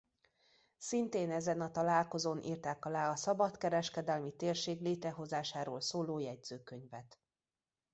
Szintén ezen a találkozón írták alá a szabadkereskedelmi térség létrehozásáról szóló jegyzőkönyvet.